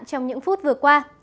trong những phút vừa qua